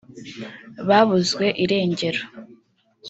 babuzwe irengero